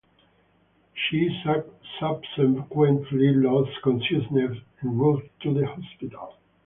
She subsequently lost consciousness en route to the hospital.